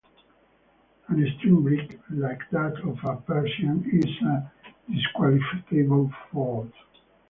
An extreme break, like that of a Persian, is a disqualifiable fault.